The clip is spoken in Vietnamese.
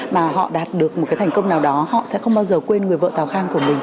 mà họ đạt được một cái thành công nào đó họ sẽ không bao giờ quên người vợ tàu khang của mình